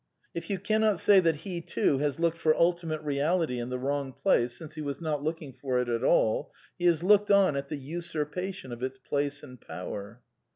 If you cannot say that he, too, has looked for ultimate reality in the wrong place, since he was not look \ ing for it at all, he has looked on at the usurpation of iXfr"^ place and power.